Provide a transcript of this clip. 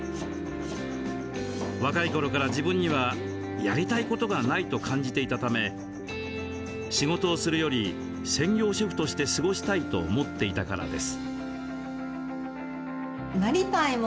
若い頃から自分には「やりたいことがない」と感じていたため仕事をするより専業主婦として過ごしたいと思っていたからです。